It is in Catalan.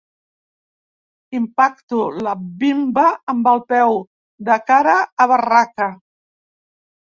Impacto la bimba amb el peu, de cara a barraca.